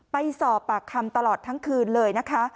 ไปสอบปากคำตลอดทั้งคืนเลยนะคะ